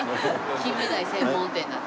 金目鯛専門店なんだ。